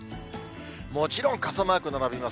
もちろん傘マーク並びます。